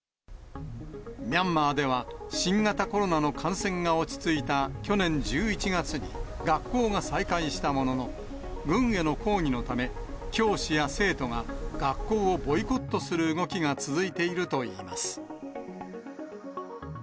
ミャンマーでは、新型コロナの感染が落ち着いた去年１１月に学校が再開したものの、軍への抗議のため、教師や生徒が学校をボイコットする動きが続いているといいます。